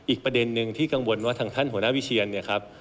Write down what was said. อีกประเด็นหนึ่งที่กังวลว่าทางท่านหัวหน้าวิเชียนเนี่ยครับ